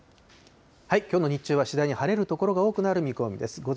きょうの日中は、次第に晴れる所が多くなる見込みです。